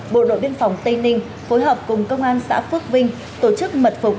bộ đội biên phòng tây ninh phối hợp cùng công an xã phước vinh tổ chức mật phục